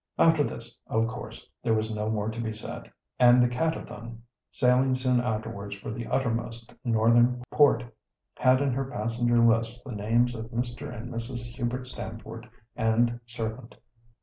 After this, of course, there was no more to be said, and the Catterthun, sailing soon afterwards for the uttermost northern port, had in her passenger list the names of Mr. and Mrs. Hubert Stamford and servant.